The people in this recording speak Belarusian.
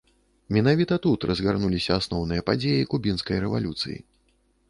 Менавіта тут разгарнуліся асноўныя падзеі кубінскай рэвалюцыі.